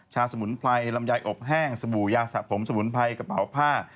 สมุนไพรลำไยอบแห้งสบู่ยาสะสมสมุนไพรกระเป๋าผ้า